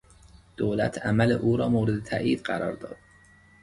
دولت عمل او را مورد تایید قرار داد.